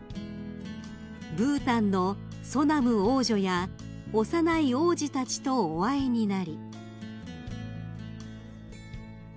［ブータンのソナム王女や幼い王子たちとお会いになり］